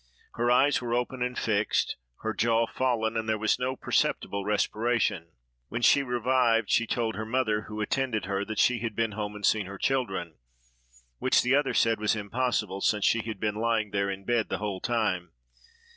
Her eyes were open and fixed, her jaw fallen, and there was no perceptible respiration. When she revived, she told her mother, who attended her, that she had been home and seen her children; which the other said was impossible, since she had been lying there in bed the whole time.